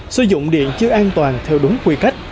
sử dụng điện chưa an toàn theo đúng quy cách